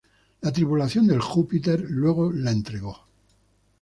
La tripulación del "Júpiter" luego la entregó.